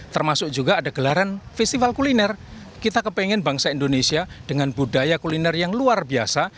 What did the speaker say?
termasuk juga ada gelaran festival kuliner kita kepengen bangsa indonesia dengan budaya kuliner yang luar biasa